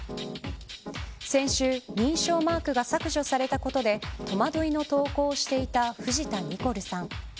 先週、認証マークが削除されたことで戸惑いの投稿をしていた藤田ニコルさん